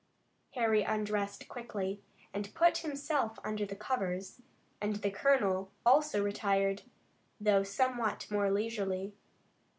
Harry undressed quickly, and put himself under the covers, and the colonel also retired, although somewhat more leisurely.